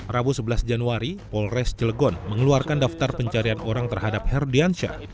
rabu sebelas januari polres cilegon mengeluarkan daftar pencarian orang terhadap herdiansyah